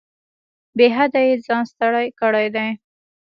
بې حده یې ځان ستړی کړی دی.